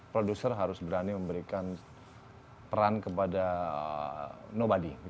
producer harus berani memberikan peran kepada nobody